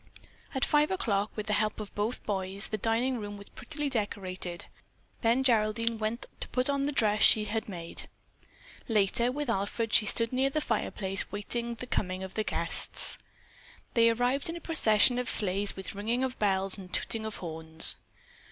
At five o'clock, with the help of both boys, the dining room was prettily decorated; then Geraldine went to put on the dress she had made. Later, with Alfred, she stood near the fireplace waiting the coming of the guests. They arrived in a procession of sleighs with ringing of bells and tooting of horns.